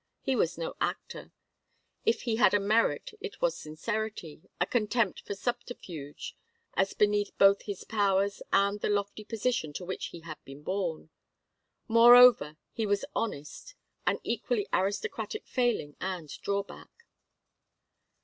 He was no actor. If he had a merit it was sincerity, a contempt for subterfuge as beneath both his powers and the lofty position to which he had been born. Moreover, he was honest; an equally aristocratic failing and drawback.